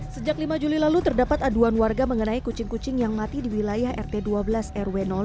sejak lima juli lalu terdapat aduan warga mengenai kucing kucing yang mati di wilayah rt dua belas rw lima